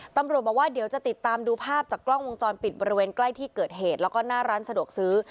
ตำรวจบอกว่าเดี๋ยวจะติดตามดูภาพจากกล้องวงจรปิดบริเวณใกล้ที่เกิดเหตุแล้วก็หน้าร้านสะดวกซื้อ